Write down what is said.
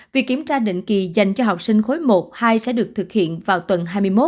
việc kiểm tra định kỳ dành cho học sinh khối một hai sẽ được thực hiện vào tuần hai mươi một